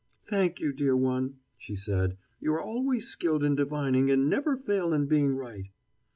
"Thank you, dear one," she said. "You are always skilled in divining, and never fail in being right."